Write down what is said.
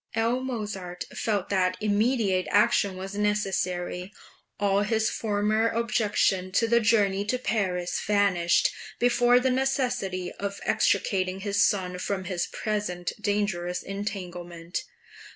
L. Mozart felt that immediate action was necessary; all his former objection to the journey to Paris vanished before the necessity of extricating his son from his present dangerous entanglement.